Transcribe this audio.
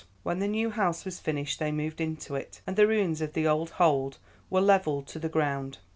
When the new house was finished they moved into it, and the ruins of the old Hold were levelled to the ground.